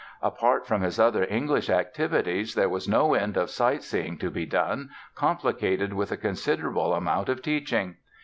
Apart from his other English activities there was no end of sight seeing to be done, complicated with a considerable amount of teaching.